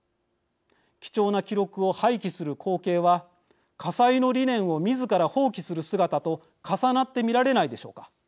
貴重な記録を廃棄する光景は家裁の理念をみずから放棄する姿と重なって見られないでしょうか。